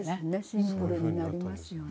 シンプルになりますよね。